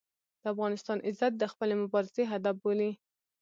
د افغانستان عزت د خپلې مبارزې هدف بولي.